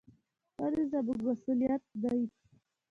ونې زموږ مسؤلیت دي.